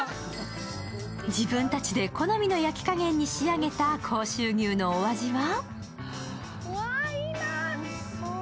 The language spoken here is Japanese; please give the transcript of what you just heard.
自分たちで好みの焼き加減に仕上げた甲州牛のお味は？